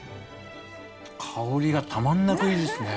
香りがたまんなくいいですね。